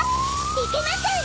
いけません！